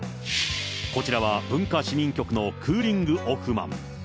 こちらは文化市民局のクーリング・オフマン。